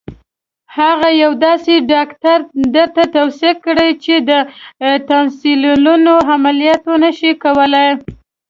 هغه یو داسې ډاکټر درته توصیه کړي چې د تانسیلونو عملیات نه شي کولای.